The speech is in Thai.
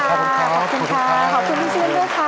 ขอบคุณค่ะขอบคุณที่ชื่นด้วยค่ะ